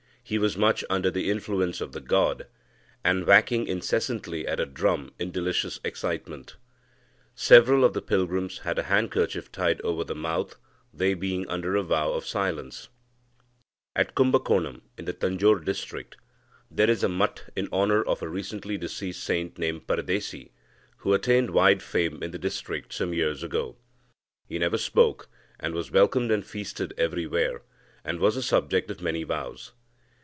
He was much under the influence of the god, and whacking incessantly at a drum in delicious excitement. Several of the pilgrims had a handkerchief tied over the mouth, they being under a vow of silence. [At Kumbakonam in the Tanjore district, 'there is a math in honour of a recently deceased saint named Paradesi, who attained wide fame in the district some years ago. He never spoke, and was welcomed and feasted everywhere, and was the subject of many vows.